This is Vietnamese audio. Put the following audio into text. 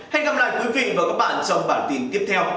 hẹn gặp lại quý vị và các bạn trong bản tin tiếp theo